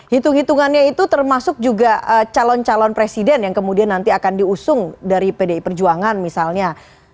hitung hitungannya itu termasuk juga calon calon presiden yang kemudian nanti akan diusung dari pdi perjuangan misalnya